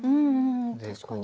確かに。